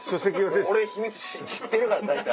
俺秘密知ってるから大体。